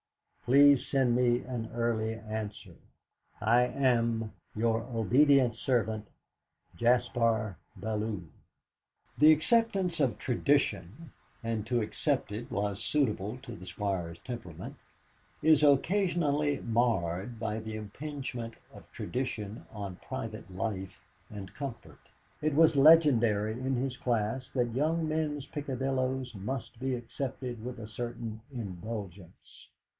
"Please send me an early answer. "I am, "Your obedient servant, "JASPAR BELLEW." The acceptance of tradition (and to accept it was suitable to the Squire's temperament) is occasionally marred by the impingement of tradition on private life and comfort. It was legendary in his class that young men's peccadilloes must be accepted with a certain indulgence.